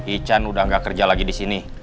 ican udah gak kerja lagi di sini